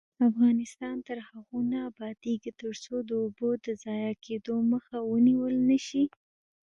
افغانستان تر هغو نه ابادیږي، ترڅو د اوبو د ضایع کیدو مخه ونیول نشي.